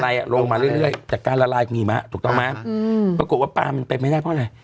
หิมะไล่อ่ะโลงมาเรื่อยแต่การละลายของหิมะถูกต้องไหมครับอืมปรากฎว่าปลามันไปไม่ได้เพราะอะไร